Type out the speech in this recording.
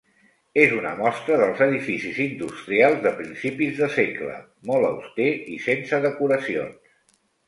És una mostra dels edificis industrials de principis de segle, molt auster i sense decoracions.